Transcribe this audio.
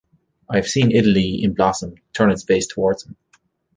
I have seen Italy in blossom turn its face towards him.